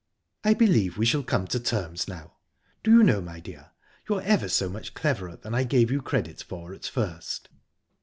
"I believe we shall come to terms now. Do you know, my dear, you're ever so much cleverer than I gave you credit for at first."